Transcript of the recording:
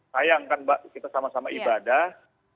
sayang kan mbak kita sama sama ibadah